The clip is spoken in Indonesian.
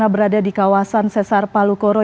berada di kawasan sesar palu koro